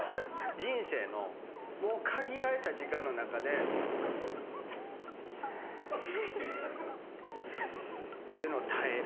人生の限られた時間の中で熱っふぅっていうのを耐える。